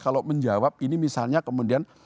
kalau menjawab ini misalnya kemudian